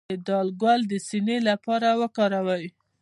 د دال ګل د سینې لپاره وکاروئ